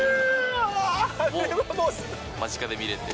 もう間近で見れて。